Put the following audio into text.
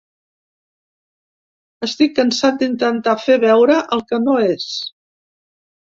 Estic cansat d’intentar fer veure el que no és.